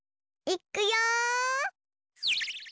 いっくよ！